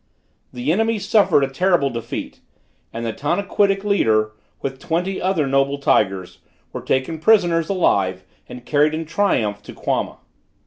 The enemy suffered a terrible defeat and the Tanaquitic leader, with twenty other noble tigers, were taken prisoners alive and carried in triumph to Quama.